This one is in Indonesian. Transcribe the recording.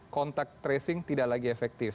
kontak tracing tidak lagi efektif